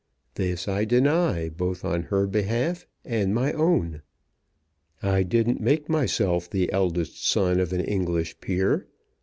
This I deny both on her behalf and my own. I didn't make myself the eldest son of an English peer.